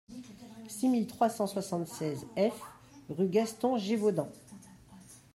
six mille trois cent soixante-seize F rue Gaston Gévaudan